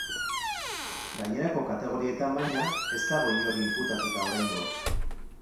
Gainerako kategorietan, baina, ez dago inor inputatuta oraingoz.